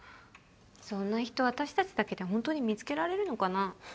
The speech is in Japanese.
そんな人私たちだけでホントに見つけられるのかな。